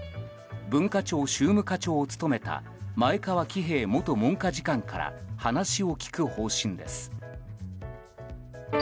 文化庁宗務課長を務めた前川喜平元文科次官から話を聞く方針です。